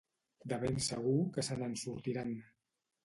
De ben segur que se n´ensortiran.